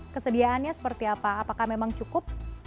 kesediaannya seperti apa apakah memang cukup